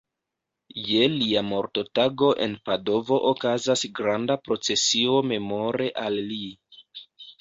Je lia mortotago en Padovo okazas granda procesio memore al li.